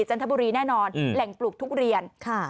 จันทบุรีแน่นอนแหล่งปลูกทุเรียนค่ะ